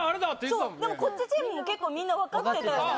そうこっちチームも結構みんな分かってた